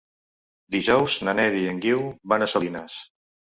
Dijous na Neida i en Guiu van a Salines.